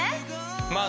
まあ